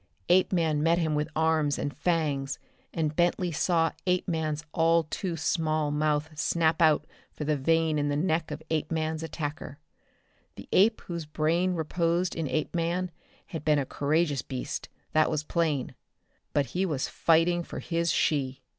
Apeman met him with arms and fangs, and Bentley saw Apeman's all too small mouth snap out for the vein in the neck of Apeman's attacker. The ape whose brain reposed in Apeman had been a courageous beast, that was plain. But he was fighting for his she.